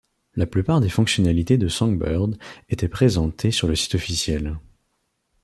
La plupart des fonctionnalités de Songbird étaient présentées sur le site officiel.